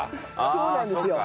そうなんですよ。